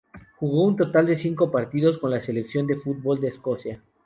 Jugó un total de cinco partidos con la selección de fútbol de Escocia.